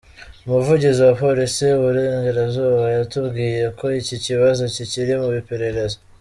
Umuvugizi wa Police Iburengerazuba yatubwiye ko iki kibazo kikiri mu iperereza.